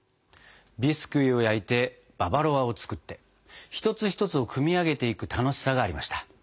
ビスキュイを焼いてババロアを作って一つ一つを組み上げていく楽しさがありました。